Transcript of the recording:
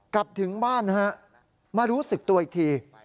กลับถึงบ้านนะฮะมารู้สึกตัวอีกที